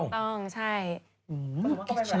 ต้องใช่